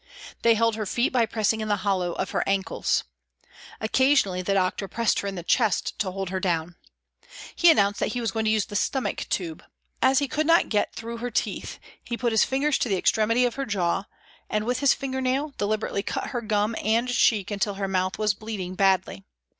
They held her feet by pressing in the hollow of her ankles. Occasion ally the doctor pressed her in the chest to hold her down. He announced that he was going to use the stomach tube. As he could not get through her teeth, he put his fingers to the extremity of her jaw, and with his finger nail deliberately cut her gum and cheek until her mouth was bleeding badly.